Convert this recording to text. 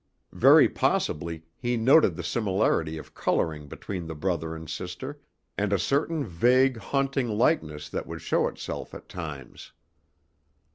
Very possibly he noted the similarity of colouring between the brother and sister, and a certain vague haunting likeness that would show itself at times.